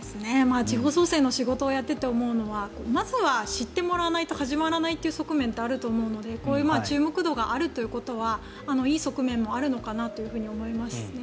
地方創生の仕事をやっていて思うのはまずは知ってもらわないと始まらないという側面ってあると思うのでこういう注目度があるということはいい側面もあるのかなと思いますね。